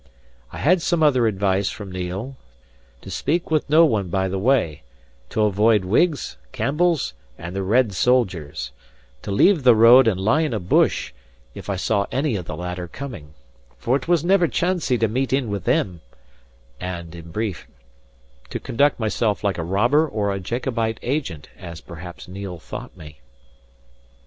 I had some other advice from Neil: to speak with no one by the way, to avoid Whigs, Campbells, and the "red soldiers;" to leave the road and lie in a bush if I saw any of the latter coming, "for it was never chancy to meet in with them;" and in brief, to conduct myself like a robber or a Jacobite agent, as perhaps Neil thought me.